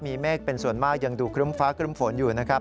มีเมฆเป็นส่วนมากยังดูครึ้มฟ้าครึ้มฝนอยู่นะครับ